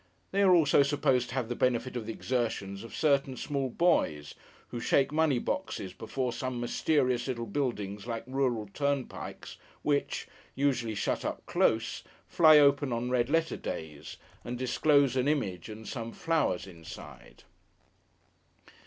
They are also supposed to have the benefit of the exertions of certain small boys, who shake money boxes before some mysterious little buildings like rural turnpikes, which (usually shut up close) fly open on Red letter days, and disclose an image and some flowers inside.